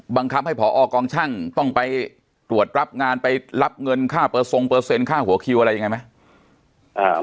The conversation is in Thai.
บังคับให้ผอกองช่างต้องไปตรวจรับงานไปรับเงินค่าเปอร์ทรงเปอร์เซ็นค่าหัวคิวอะไรยังไงไหม